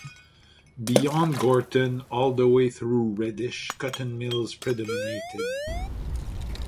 Beyond Gorton, all the way through Reddish, cotton mills predominated.